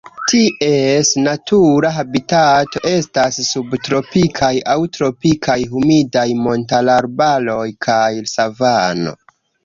Ties natura habitato estas subtropikaj aŭ tropikaj humidaj montararbaroj kaj savano.